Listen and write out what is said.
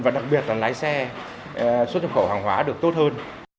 và đặc biệt là lái xe xuất nhập khẩu hàng hóa được tốt hơn